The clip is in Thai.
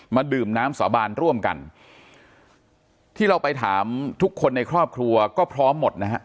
ดื่มน้ำสาบานร่วมกันที่เราไปถามทุกคนในครอบครัวก็พร้อมหมดนะฮะ